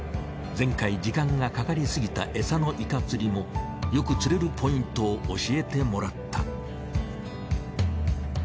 前回時間がかかりすぎたエサのイカ釣りもよく釣れるポイントを教えてもらった。